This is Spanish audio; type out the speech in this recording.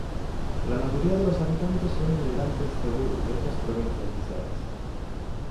La mayoría de los habitantes son emigrantes Cebú y otras provincias bisayas.